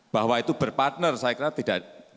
bahwa itu berpartner saya kira tidak